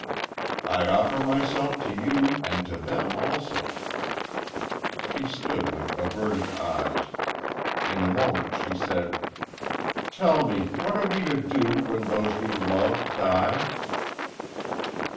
"I offer myself to you and to them also." She stood with averted eyes. In a moment she said, "Tell me what are we to do when those we love die?"